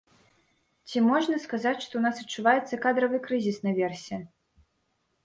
Ці можна сказаць, што ў нас адчуваецца кадравы крызіс наверсе?